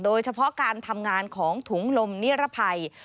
โดยเฉพาะการทำงานของถุงลมนิรภัย